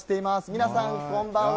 皆さん、こんばんは。